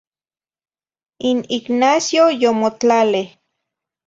In Ignacio yomotlaleh.